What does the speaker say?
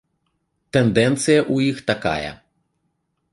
Тэндэнцыя ў іх такая.